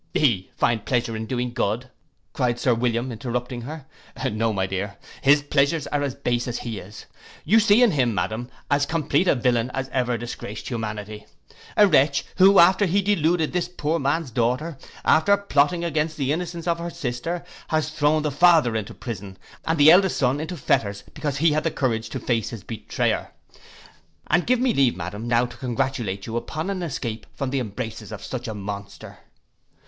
'He find pleasure in doing good!' cried Sir William, interrupting her. 'No, my dear, his pleasures are as base as he is. You see in him, madam, as complete a villain as ever disgraced humanity. A wretch, who after having deluded this poor man's daughter, after plotting against the innocence of her sister, has thrown the father into prison, and the eldest son into fetters, because he had courage to face his betrayer. And give me leave, madam, now to congratulate you upon an escape from the embraces of such a monster.